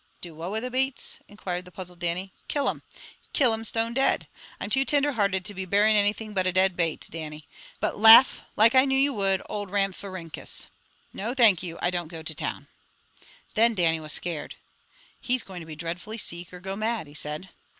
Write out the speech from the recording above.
"Do what wi' the beets?" inquired the puzzled Dannie. "Kill thim! Kill thim stone dead. I'm too tinder hearted to be burying anything but a dead bate, Dannie. That's a thousand years old, but laugh, like I knew you would, old Ramphirinkus! No, thank you, I don't go to town!" Then Dannie was scared. "He's going to be dreadfully seek or go mad," he said.